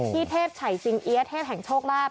ที่เทศฉ่ายจริงเอี๊ยดเทศแห่งโชคลาภ